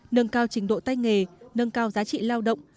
nâng cao trình độ tay nghề nâng cao giá trị lao động